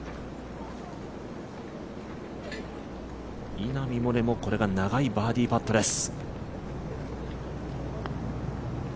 稲見萌寧も、これが長いバーディーパットです。